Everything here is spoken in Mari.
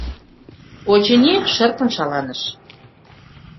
Очыни, шырпын шаланыш.